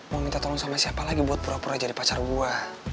mau minta tolong sama siapa lagi buat pura pura jadi pacar buah